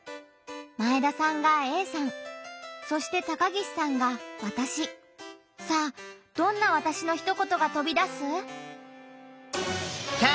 前田さんが「Ａさん」そして高岸さんが「わたし」。さあどんな「わたし」のひと言がとび出す？